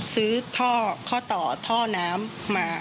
ซื้อท่อต่อท่อน้ำมา